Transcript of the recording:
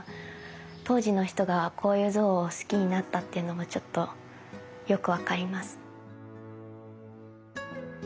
当時の人がこういう像を好きになったっていうのもちょっとよく分かります。